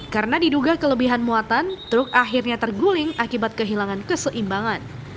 karena diduga kelebihan muatan truk akhirnya terguling akibat kehilangan keseimbangan